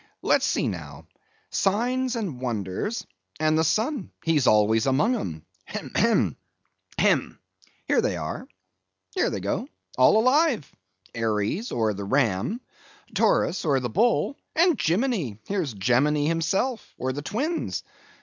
Let's see now. Signs and wonders; and the sun, he's always among 'em. Hem, hem, hem; here they are—here they go—all alive:—Aries, or the Ram; Taurus, or the Bull and Jimimi! here's Gemini himself, or the Twins.